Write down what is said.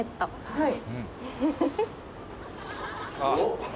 はい